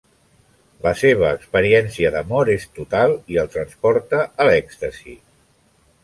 La seva experiència d'amor és total i el transporta a l'èxtasi.